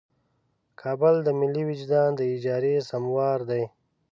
کابل د ملي وجدان د اجارې سموار دی.